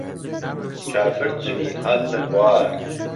کافر جمين هاتنه خوار